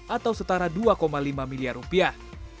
atau setara dua lima miliar rupiah